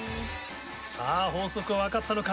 さぁ法則は分かったのか？